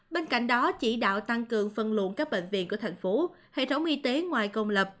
bên cạnh đó chỉ đạo tăng cường phân luận các bệnh viện của thành phố hệ thống y tế ngoài công lập